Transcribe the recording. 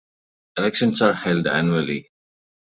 Elections are held annually.